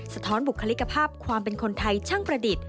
ท้อนบุคลิกภาพความเป็นคนไทยช่างประดิษฐ์